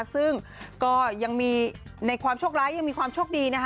ซึ่งก็ยังมีในความโชคร้ายยังมีความโชคดีนะคะ